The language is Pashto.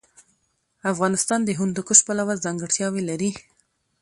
افغانستان د هندوکش پلوه ځانګړتیاوې لري.